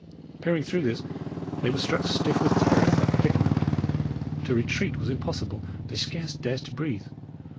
Peering through this, they were struck stiff with terror at their predicament. To retreat was impossible; they scarce dared to breathe.